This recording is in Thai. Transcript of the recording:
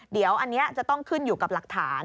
เดี๋ยวอันนี้จะต้องขึ้นอยู่กับหลักฐาน